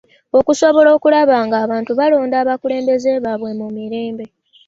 Okusobola okulaba nga abantu balonda abakulembeze baabwe mu mirembe.